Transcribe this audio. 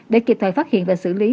để kịp thời phát hiện và xử lý